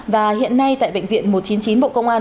và hiện nay tại bệnh viện một trăm chín mươi chín bộ công an